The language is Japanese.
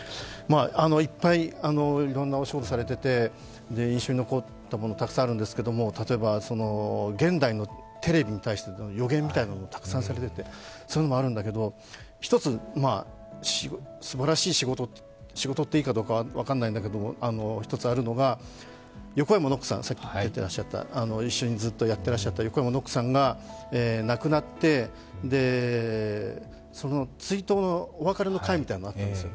いっぱいいろんなお仕事されてて印象に残ったことたくさんあるんですけど、例えば現代のテレビに対して予言みたいなのをたくさんされていて、そういうのもあるんだけど、１つ、すばらしい仕事って言っていいかどうか分からないんだけれども、あるのが、横山ノックさん、一緒にずっとやってらっしゃった横山ノックさんが亡くなって追悼の、お別れの会があったんですよ